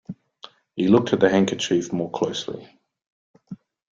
He looked at the handkerchief more, closely.